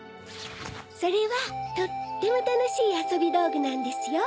それはとってもたのしいあそびどうぐなんですよ。